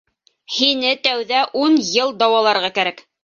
Һине тәүҙә ун йыл дауаларға кәрәк!